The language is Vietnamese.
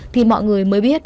thì mọi người mới biết